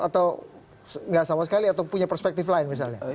atau nggak sama sekali atau punya perspektif lain misalnya